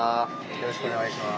よろしくお願いします。